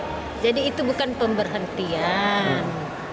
di rumah sakit ini diberhentikan dari tugasnya dengan alasan akan di rolling